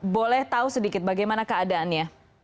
boleh tahu sedikit bagaimana keadaannya